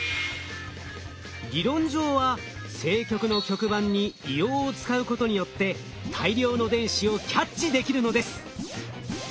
理論上は正極の極板に硫黄を使うことによって大量の電子をキャッチできるのです。